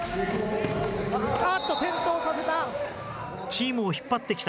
あっと、転倒させた。